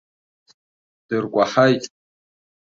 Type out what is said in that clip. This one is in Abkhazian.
Дыркәаҳаит.